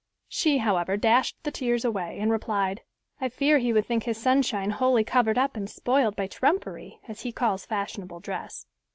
She, however, dashed the tears away, and replied, "I fear he would think his Sunshine wholly covered up and spoiled by trumpery, as he calls fashionable dress."